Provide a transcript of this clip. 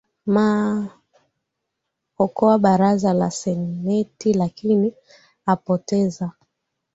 ma aokoa baraza la seneti lakini apoteza